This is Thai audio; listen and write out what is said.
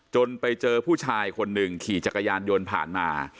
ไปเจอผู้ชายคนหนึ่งขี่จักรยานยนต์ผ่านมา